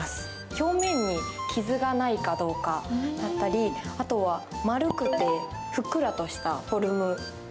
表面に傷がないかどうかだったりあとは丸くてふっくらしたフォルム。